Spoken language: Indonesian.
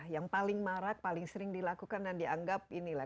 yang paling marak paling sering dilakukan dan dianggap inilah